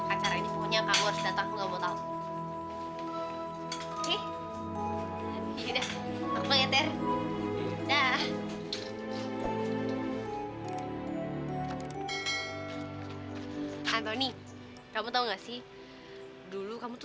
acara ini pokoknya kamu harus datang aku gak mau tau